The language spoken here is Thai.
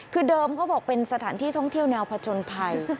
คือเดิมเขาบอกเป็นสถานที่ท่องเที่ยวแนวผจญภัย